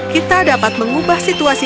kita dapat mengubah situasi